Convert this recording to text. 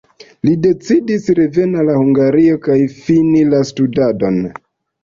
Li decidis reveni al Hungario kaj fini la studadon.